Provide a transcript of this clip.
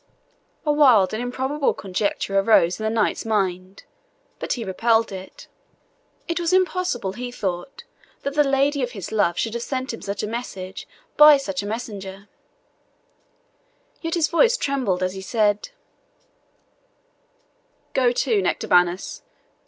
A wild and improbable conjecture arose in the knight's mind, but he repelled it. It was impossible, he thought, that the lady of his love should have sent him such a message by such a messenger; yet his voice trembled as he said, "Go to, Nectabanus.